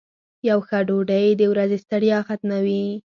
یو ښه ډوډۍ د ورځې ستړیا ختموي.